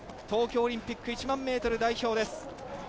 東京オリンピック１００００ｍ代表です。